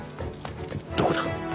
どこだ？